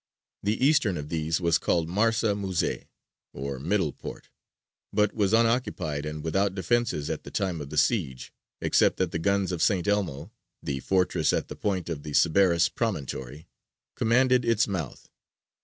The eastern of these was called Marsa Muset, or "Middle Port," but was unoccupied and without defences at the time of the siege, except that the guns of St. Elmo, the fortress at the point of the Sceberras promontory, commanded its mouth.